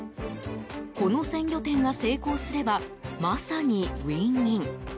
この鮮魚店が成功すればまさにウィンウィン。